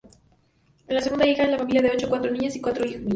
Es la segunda hija en una familia de ocho, cuatro chicas y cuatro chicos.